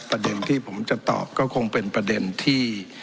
ประเด็นที่ผมจะตอบก็คงเป็นประเด็นที่